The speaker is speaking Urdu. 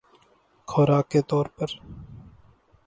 خوراک کے طور پر